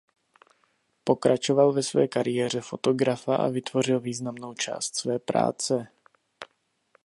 Pokračoval ve své kariéře fotografa a vytvořil významnou část své práce.